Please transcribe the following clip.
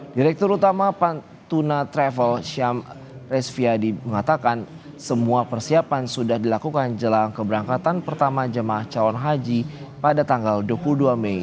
direktur utama pantuna travel syam resviadi mengatakan semua persiapan sudah dilakukan jelang keberangkatan pertama jemaah calon haji pada tanggal dua puluh dua mei